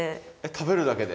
食べるだけで。